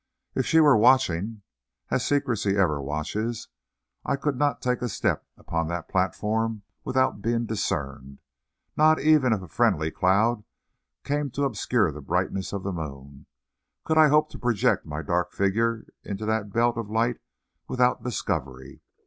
If she were watching, as secrecy ever watches, I could not take a step upon that platform without being discerned. Not even if a friendly cloud came to obscure the brightness of the moon, could I hope to project my dark figure into that belt of light without discovery.